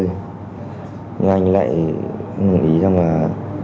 nhưng anh lại anh hỏi ý rằng là